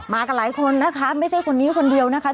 กับหลายคนนะคะไม่ใช่คนนี้คนเดียวนะคะ